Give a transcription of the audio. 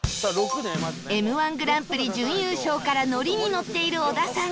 Ｍ−１ グランプリ準優勝からノリにノっている小田さん